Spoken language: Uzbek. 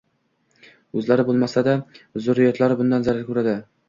O‘zlari bo‘lmasa-da, zurriyodlari bundan zarar ko‘radi.